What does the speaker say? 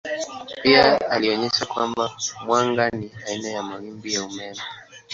Pia alionyesha kwamba mwanga ni aina ya mawimbi ya umeme.